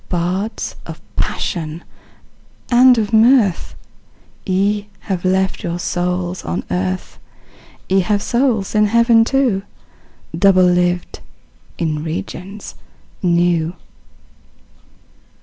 Bards of Passion and of Mirth, Ye have left your souls on earth! Ye have souls in heaven too, Double lived in regions new!